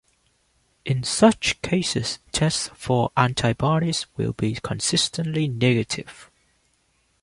In such cases, tests for antibodies will be consistently negative.